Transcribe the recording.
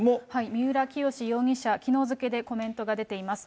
三浦清志容疑者、きのう付けでコメントが出ています。